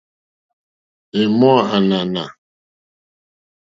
È mò ànànà.